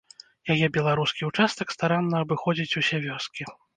Яе беларускі ўчастак старанна абыходзіць усе вёскі.